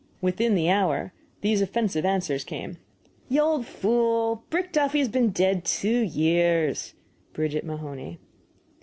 Within the hour these offensive answers came: YE OWLD FOOL: brick McDuffys bin ded 2 yere. BRIDGET MAHONEY.